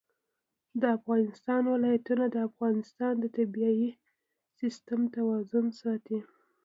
د افغانستان ولايتونه د افغانستان د طبعي سیسټم توازن ساتي.